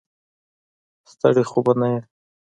ستړی خو به نه یې.